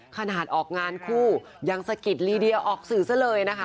ขนาดออกงานคู่ยังสะกิดลีเดียออกสื่อซะเลยนะคะ